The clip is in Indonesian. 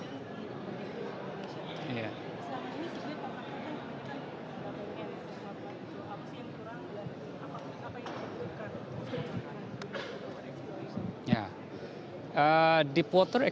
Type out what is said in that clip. apa yang kurang apa yang diperlukan untuk mengembangkan deep water exploration